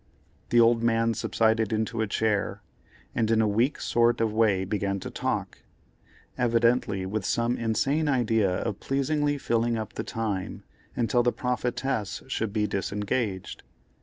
The old man subsided into a chair, and in a weak sort of way began to talk, evidently with some insane idea of pleasingly filling up the time until the prophetess should be disengaged.